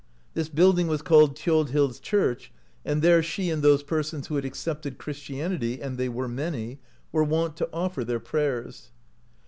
This building was called Thiodhild's Church, and there she and those persons who had accepted Chris tianity, and they were many, were wont to offeir their prayers.